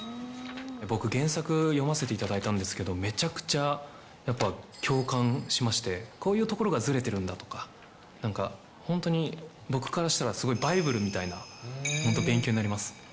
僕、原作読ませていただいたんですけど、めちゃくちゃやっぱ共感しまして、こういうところがずれてるんだとか、なんか、本当に僕からしたら、すごいバイブルみたいな、本当、勉強になります。